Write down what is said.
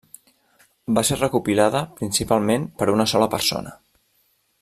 Va ser recopilada principalment per una sola persona.